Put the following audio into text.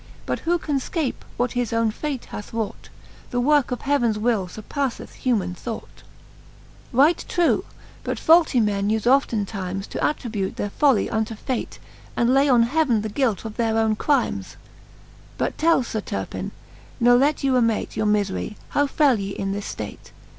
But who can fcape, who his owne fate hath wrought? The worke of heavens will furpalTeth humaine thought, XXVIII. Right true: but faulty men ufe oftentimes To attribute their folly unto fate, And lay on heaven the guilt of their owne crimesr But tell, Sir Turpine ne let you amate Your mifery, how fell yc in this ftate.